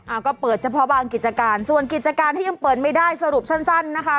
ก็เปิดเฉพาะบางกิจการส่วนกิจการที่ยังเปิดไม่ได้สรุปสั้นสั้นนะคะ